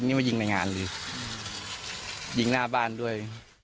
นี่มายิงในงานเลยยิงหน้าบ้านด้วย